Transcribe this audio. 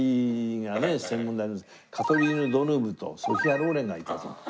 カトリーヌ・ドヌーヴとソフィア・ローレンがいたと。